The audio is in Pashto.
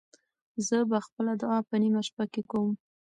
زه به خپله دعا په نیمه شپه کې کوم.